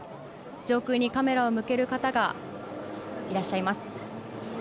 上空にカメラを向ける方がいらっしゃいます。